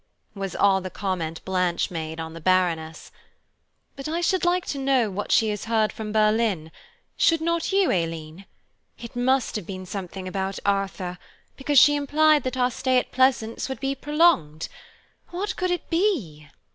was all the comment Blanche made on the Baroness, "but I should like to know what she has heard from Berlin–should not you, Aileen? It must have been something about Arthur, because she implied that our stay at Pleasance would be prolonged. What could it be?"